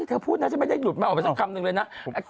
เธอพูดนะฉันไม่ได้หยุดมันออกไปสักคำหนึ่งเลยนะ